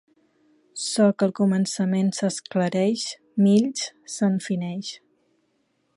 Ço que al començament s'esclareix, mills se'n fineix.